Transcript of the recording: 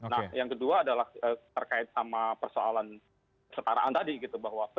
nah yang kedua adalah